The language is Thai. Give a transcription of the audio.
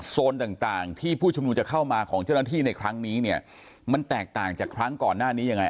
ต่างต่างที่ผู้ชุมนุมจะเข้ามาของเจ้าหน้าที่ในครั้งนี้เนี่ยมันแตกต่างจากครั้งก่อนหน้านี้ยังไง